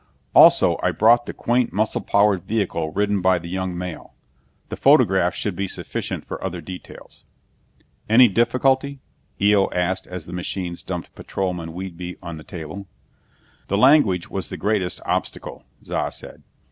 Also, I brought the quaint muscle powered vehicle ridden by the young male. The photographs should be sufficient for other details." "Any difficulty?" Eo asked as the machines dumped Patrolman Whedbee on the table. "The language was the greatest obstacle," Za said.